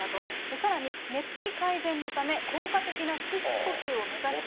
さらに寝つき改善のため、効果的な腹式呼吸を目指して。